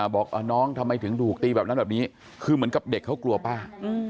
บอกน้องทำไมถึงถูกตีแบบนั้นแบบนี้คือเหมือนกับเด็กเขากลัวป้า